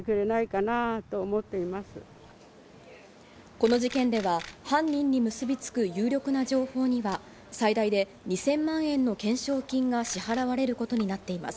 この事件では犯人に結びつく有力な情報には、最大で２０００万円の懸賞金が支払われることになっています。